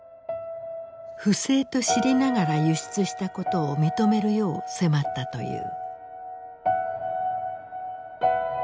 不正と知りながら輸出したことを認めるよう迫ったという。